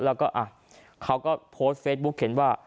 แล้วก็เขาก็โพสต์เฟซบุ๊กเขียนว่า